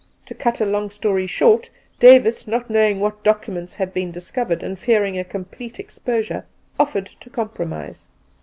To cut a long story short, Davis, not knowing what documents had been discovered and fearing a complete exposure, offered to compromise.